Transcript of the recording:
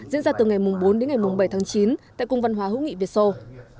diễn ra từ ngày bốn đến ngày bảy tháng chín tại cung văn hóa hữu nghị việt sô